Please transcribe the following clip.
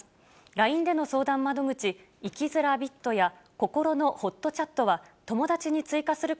ＬＩＮＥでの相談窓口生きづらびっとやこころのほっとチャットは友達に追加する